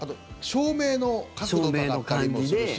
照明の角度とかがあったりもするし。